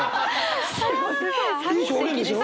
いい表現でしょ？